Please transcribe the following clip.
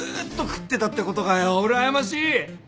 うらやましい！